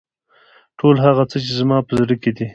ټول هغه څه چې زما په زړه کې دي.